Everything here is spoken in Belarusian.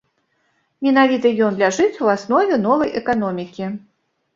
Менавіта ён ляжыць у аснове новай эканомікі.